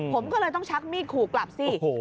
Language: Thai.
ผมก็เลยต้องชักมีดขู่กลับสิ